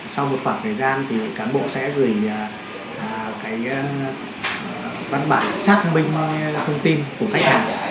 sau một khoảng thời gian thì cán bộ sẽ gửi văn bản xác minh thông tin của khách hàng